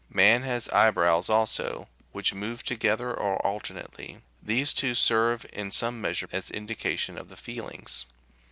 Man has eyebrows, also, which move together or alternately ; these, too, serve in some measure as indications of the feelings.